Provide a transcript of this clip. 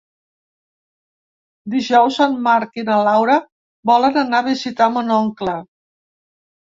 Dijous en Marc i na Laura volen anar a visitar mon oncle.